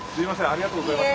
ありがとうございます。